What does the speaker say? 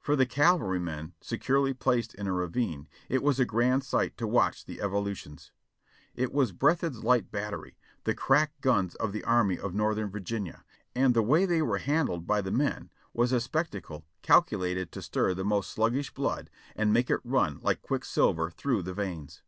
For the cavalrymen, securely placed in a ravine, it was a grand sight to W'atch the evolutions. It was Breathed's light battery, the crack guns of the Army of Northern Virginia; and the way they were handled by the men was a spectacle calculated to stir the most sluggish blood and make it run like quicksilver through the veins.